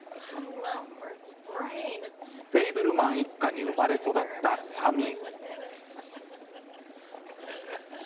フェイブルマン一家に生まれ育ったサミー。